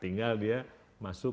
tinggal dia masuk